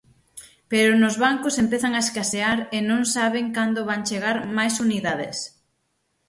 Pero nos bancos empezan a escasear e non saben cando van chegar máis unidades.